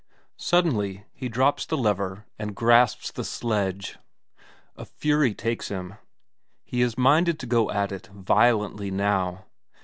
Suddenly he drops the lever and grasps the sledge. A fury takes him, he is minded to go at it violently now.